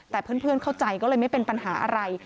แต่เพื่อนเข้าใจก็เลยไม่เป็นปัญหาอะไร